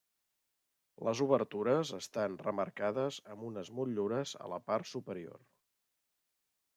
Les obertures estan remarcades amb unes motllures a la part superior.